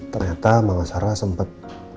ternyata mama sarah sempet